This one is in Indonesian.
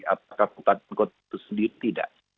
apakah bupat bupat itu sendiri tidak